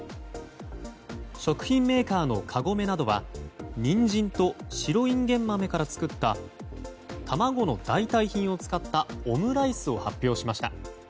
食品メーカーのカゴメなどはニンジンと白インゲン豆から作った卵の代替品を使ったオムライスを発表しました。